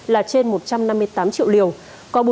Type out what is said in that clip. là trên một trăm năm mươi tám triệu liều